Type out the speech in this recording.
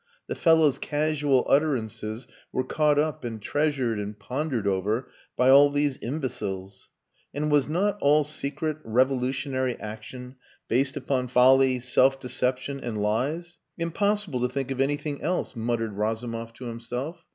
The fellow's casual utterances were caught up and treasured and pondered over by all these imbeciles. And was not all secret revolutionary action based upon folly, self deception, and lies? "Impossible to think of anything else," muttered Razumov to himself.